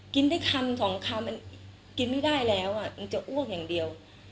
กินได้คำสองคำมันกินไม่ได้แล้วมันจะอ้วกอย่างเดียว